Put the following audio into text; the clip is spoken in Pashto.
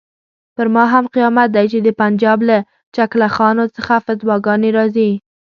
پر ما هم قیامت دی چې د پنجاب له چکله خانو څخه فتواګانې راځي.